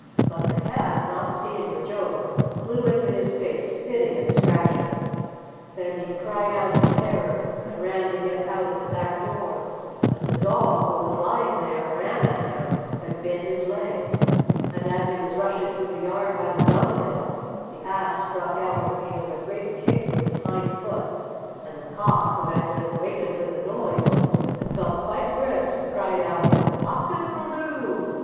But the cat, not seeing the joke, flew into his face, spitting and scratching. Then he cried out in terror, and ran to get out at the back door, but the dog, who was lying there, ran at him and bit his leg; and as he was rushing through the yard by the dunghill the ass struck out and gave him a great kick with his hindfoot; and the cock, who had been wakened with the noise, and felt quite brisk, cried out, "Cock a doodle doo!"